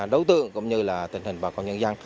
đối tượng cũng như là tình hình bà con nhân dân